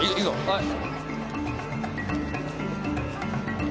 はい。